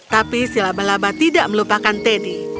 tapi si laba laba tidak melupakan teddy